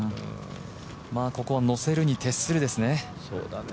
ここはのせるに徹するですね。